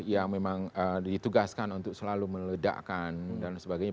yang memang ditugaskan untuk selalu meledakkan dan sebagainya